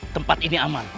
tempat ini aman